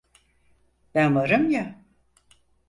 Ben varım ya.